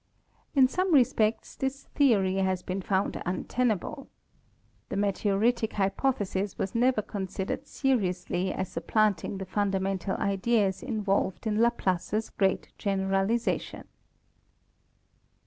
In some respects this theory has been found unten able. The meteoritic hypothesis was never considered seri ously as supplanting the fundamental ideas involved in Laplace's great generalization.